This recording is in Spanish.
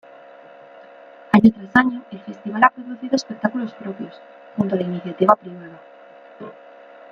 Año tras año el Festival ha producido espectáculos propios, junto a la iniciativa privada.